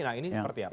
nah ini seperti apa